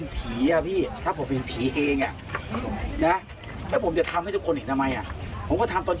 พอไหม้มันปลั๊บทุกคนเห็น